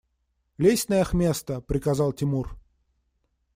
– Лезь на их место! – приказал Тимур.